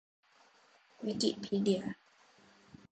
วิกิพีเดีย